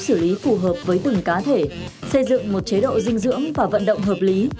xử lý phù hợp với từng cá thể xây dựng một chế độ dinh dưỡng và vận động hợp lý